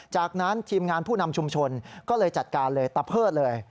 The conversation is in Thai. จากนั้นทีมงานผู้นำชุมชนก็เลยจัดการเลยตะเพิดเลย